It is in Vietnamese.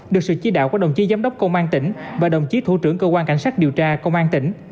được sự chi đạo của đồng chí giám đốc công an tỉnh và đồng chí thủ trưởng cơ quan cảnh sát điều tra công an tỉnh